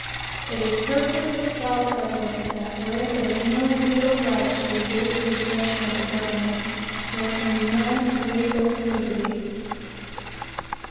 It is perfectly self evident that where there is no legal right to resist the oppression of the government, there can be no lgal liberty.